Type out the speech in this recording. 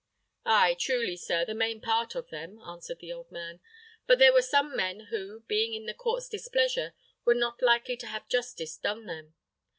"Ay, truly, sir, the main part of them," answered the old man; "but there were some men who, being in the court's displeasure, were not likely to have justice done them.